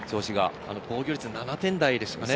防御率７点台でしたよね。